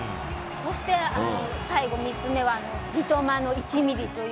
そして最後３つ目は三笘の１ｍｍという。